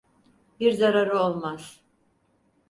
Bir zararı olmaz.